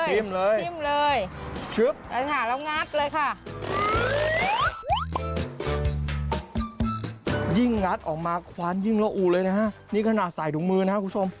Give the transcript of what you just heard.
ทิ้มเลยค่ะแล้วงัดเลยค่ะยิ่งงัดออกมาควันยิ่งละอูเลยนะฮะนี่ขนาดสายถุงมือนะครับคุณผู้ชม